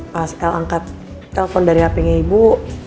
pas el angkat telpon dari hpnya ibu